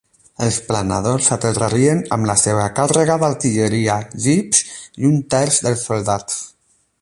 Els planadors aterrarien amb la seva càrrega d'artilleria, jeeps i un terç dels soldats.